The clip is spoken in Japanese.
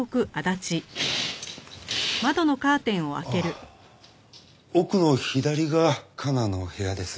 あっ奥の左が加奈の部屋です。